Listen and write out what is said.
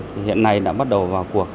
thì hiện nay đã bắt đầu vào cuộc